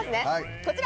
こちら！